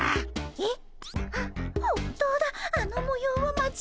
えっ？